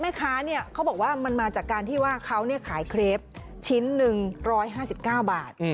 แม่ค้าเนี่ยเขาบอกว่ามันมาจากการที่ว่าเขาเนี่ยขายเครพชิ้นหนึ่ง๑๕๙บาท